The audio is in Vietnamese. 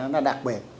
nó đặc biệt